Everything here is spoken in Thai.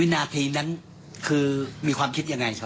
นาทีนั้นคือมีความคิดยังไงครับ